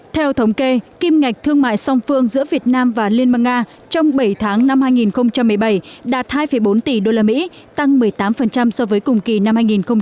theo thống kê kim ngạch thương mại song phương giữa việt nam và liên bang nga trong bảy tháng năm hai nghìn một mươi bảy đạt hai bốn tỷ usd tăng một mươi tám so với cùng kỳ năm hai nghìn một mươi bảy